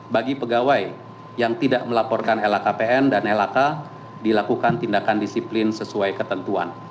bagi pegawai yang tidak melaporkan lhkpn dan lhk dilakukan tindakan disiplin sesuai ketentuan